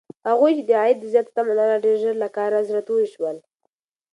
هغوی چې د عاید زیاته تمه لرله، ډېر ژر له کاره زړه توري شول.